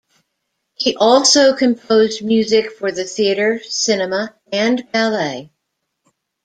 He also composed music for the theatre, cinema and ballet.